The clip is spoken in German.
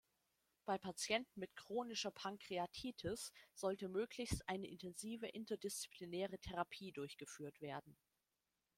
Bei Patienten mit chronischer Pankreatitis sollte möglichst eine intensive interdisziplinäre Therapie durchgeführt werden.